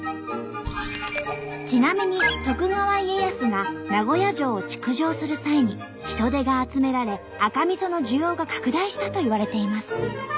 ちなみに徳川家康が名古屋城を築城する際に人手が集められ赤みその需要が拡大したといわれています。